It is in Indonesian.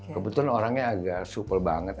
kebetulan orangnya agak supel banget